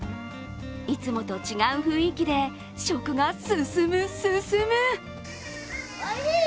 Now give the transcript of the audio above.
いつもと違う雰囲気で食が進む、進む。